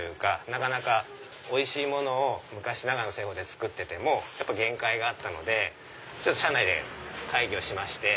なかなかおいしいものを昔ながらの製法で作っててもやっぱ限界があったので社内で会議をしまして。